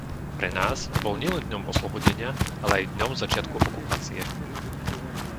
Pre nás bol nielen dňom oslobodenia, ale aj dňom začiatku okupácie.